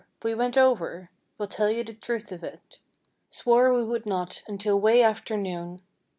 We went over. We'll tell you the truth of it. Swore we would not until 'way after noon.